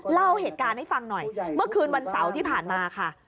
เล่าเหตุการณ์ให้ฟังหน่อยเมื่อคืนวันเสาร์ที่ผ่านมาค่ะ